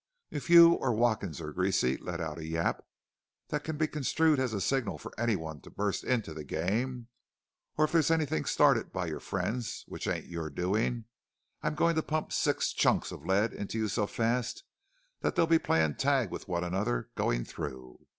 If you, or Watkins, or Greasy let out a yawp that can be construed as a signal for anyone to bust into the game, or if there's anything started by your friends which ain't your doing, I'm going to pump six chunks of lead into you so fast that they'll be playing tag with one another going through.